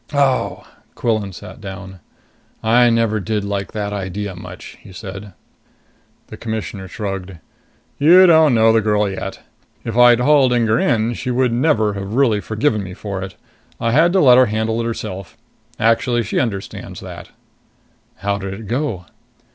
"Oh!" Quillan sat down. "I never did like that idea much," he said. The Commissioner shrugged. "You don't know the girl yet. If I'd hauled Inger in, she would never have really forgiven me for it. I had to let her handle it herself. Actually she understands that." "How did it go?"